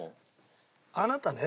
「あなたね」